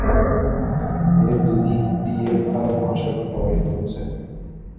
এর দুই দিক দিয়ে ভারত মহাসাগর প্রবাহিত হচ্ছে।